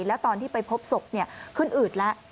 แล้วตอนที่ไปพบศพขึ้นอืดแล้ว